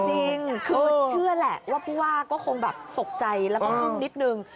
จริงคือเชื่อแหละว่าผู้ว่าก็คงแบบตกใจแล้วก็งึ้มนิดนึง